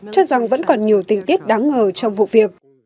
cho rằng vẫn còn nhiều tình tiết đáng ngờ trong vụ việc